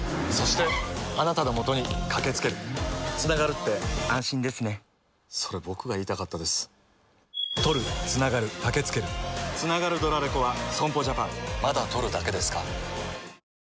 そして、あなたのもとにかけつけるつながるって安心ですねそれ、僕が言いたかったですつながるドラレコは損保ジャパンまだ録るだけですか？